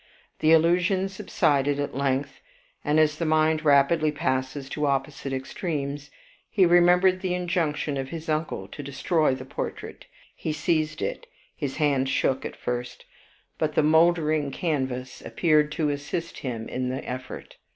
The illusion subsided at length: and as the mind rapidly passes to opposite extremes, he remembered the injunction of his uncle to destroy the portrait. He seized it; his hand shook at first, but the moldering canvas appeared to assist him in the effort.